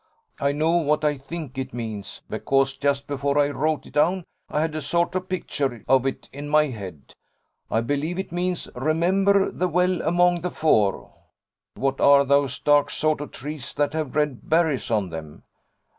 I know what I think it means, because just before I wrote it down I had a sort of picture of it in my head: I believe it means 'Remember the well among the four' what are those dark sort of trees that have red berries on them?"